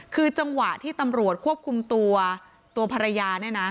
คือจังหวะที่ตำรวจควบคุมตัวตัวภรรยาเนี่ยนะ